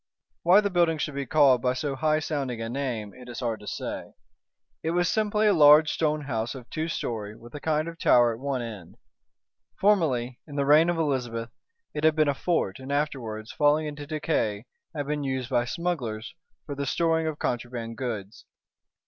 Why the building should be called by so high sounding a name, it is hard to say. It was simply a large stone house of two story, with a kind of tower at one end. Formerly, in the reign of Elizabeth, it had been a fort, and afterwards, falling into decay, had been used by smugglers for the storing of contraband goods.